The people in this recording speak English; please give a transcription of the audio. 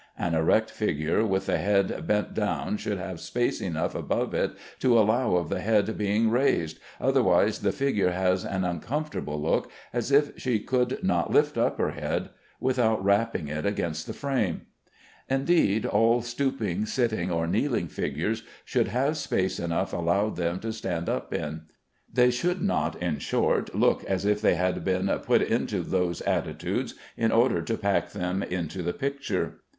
An erect figure with the head bent down should have space enough above it to allow of the head being raised, otherwise the figure has an uncomfortable look, as if she could not lift up her head without rapping it against the frame. Indeed all stooping, sitting, or kneeling figures should have space enough allowed them to stand up in. They should not, in short, look as if they had been put into those attitudes in order to pack them into the picture.